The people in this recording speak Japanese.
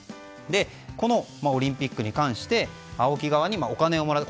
このオリンピックに関してＡＯＫＩ側にお金をもらう。